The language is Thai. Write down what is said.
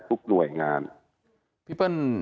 ทุกหน่วยงาน